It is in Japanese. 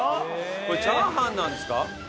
これチャーハンなんですか？